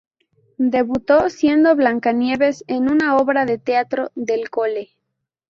Debutó siendo Blancanieves en una obra de teatro del cole.